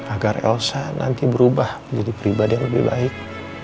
agar elsa nanti berubah menjadi pribadi yang lebih baik